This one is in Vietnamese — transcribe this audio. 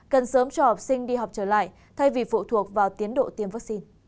cần sớm cho học sinh đi học trở lại thay vì phụ thuộc vào tiến độ tiêm vaccine